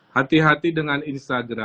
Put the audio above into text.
hati hati dengan instagram